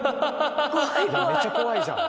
めちゃ怖いじゃん。